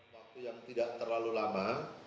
waktu yang tidak terlalu lama